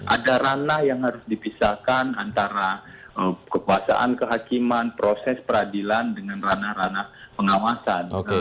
ada ranah yang harus dipisahkan antara kekuasaan kehakiman proses peradilan dengan ranah ranah pengawasan